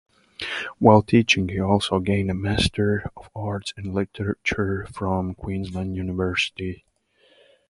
While teaching, he also gained a Master of Arts in Literature from Queensland University.